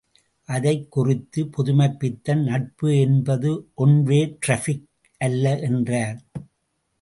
அதைக் குறித்து புதுமைப்பித்தன் நட்பு என்பது ஒன்வே ட்ராபிக் அல்ல! என்றார்.